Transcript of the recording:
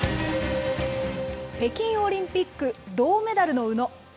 北京オリンピック銅メダルの宇野。